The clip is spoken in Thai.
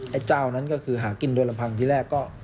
ไอ้เจ้านั้นก็คือหากินโดยลำพังที่แรกก็